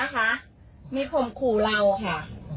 คล้มคู่เราค่ะ